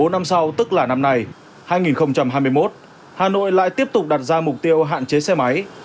bốn năm sau tức là năm nay hai nghìn hai mươi một hà nội lại tiếp tục đặt ra mục tiêu hạn chế xe máy